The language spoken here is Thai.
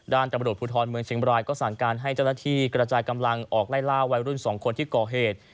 ตำรวจภูทรเมืองเชียงบรายก็สั่งการให้เจ้าหน้าที่กระจายกำลังออกไล่ล่าวัยรุ่น๒คนที่ก่อเหตุ